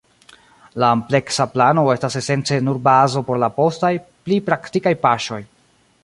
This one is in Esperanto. La ampleksa plano estas esence nur bazo por la postaj, pli praktikaj paŝoj.